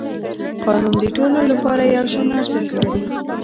قانون د ټولو لپاره یو شان ارزښت لري